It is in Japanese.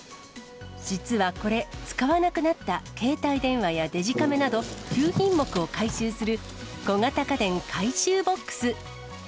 実はこれ、つかわなくなったけいたいでんわやデジカメなど、９品目を回収する、小型家電回収ボックス。